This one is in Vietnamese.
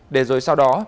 để rồi sau đó